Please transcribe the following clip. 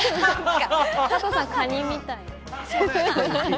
加藤さん、カニみたい。